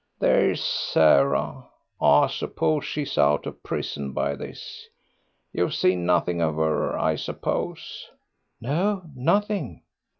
There's Sarah, I suppose she's out of prison by this. You've seen nothing of her, I suppose?" "No, nothing."